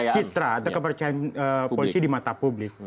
citra atau kepercayaan polisi di mata publik